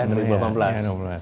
yang tahun dua ribu delapan belas